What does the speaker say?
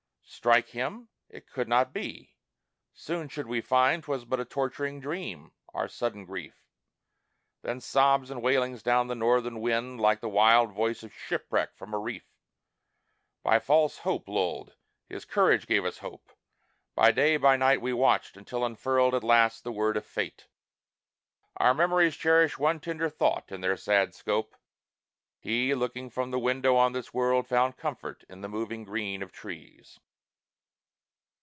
Strike him? It could not be! Soon should we find 'Twas but a torturing dream our sudden grief! Then sobs and wailings down the northern wind Like the wild voice of shipwreck from a reef! By false hope lulled (his courage gave us hope!) By day, by night we watched, until unfurled At last the word of fate! Our memories Cherish one tender thought in their sad scope: He, looking from the window on this world, Found comfort in the moving green of trees.